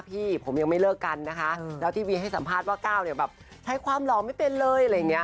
พี่ผมยังไม่เลิกกันนะคะแล้วตีวีให้สัมภาษณ์ว่าก้าวใช้ความหล่อไม่เป็นเลย